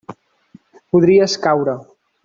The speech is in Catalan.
Podries caure.